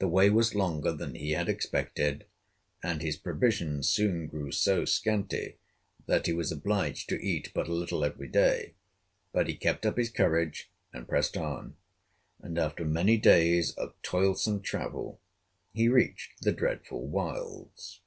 The way was longer than he had expected, and his provisions soon grew so scanty that he was obliged to eat but a little every day, but he kept up his courage, and pressed on, and, after many days of toilsome travel, he reached the dreadful wilds.